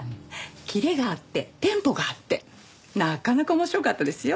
キレがあってテンポがあってなかなか面白かったですよ。